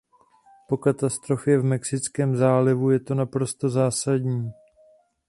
Po katastrofě v Mexickém zálivu je to naprosto zásadní.